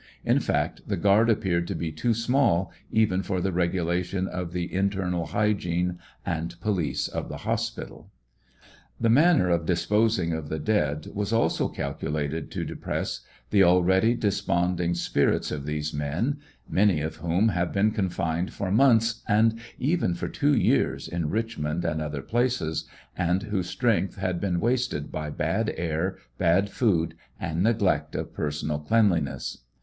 In fact, the BEBEL TESTIMONY, 181 guard appeared to be too small, even for the regulation of the inter nal hygiene and police of the hospital. The manner of disposing of the dead was also calculated to depress the already desponding spirits of these men, many of whom have been confined for months, and even for two* years in Richmond and other places, and whose strength had been wasted by bad air, bad food, and neglect of personal cleanliness.